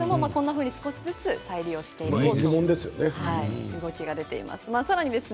こんなふうに少しずつ再利用を今ではしています。